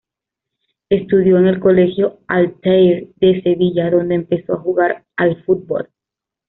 Estudió en el colegio Altair de Sevilla, donde empezó a jugar al fútbol.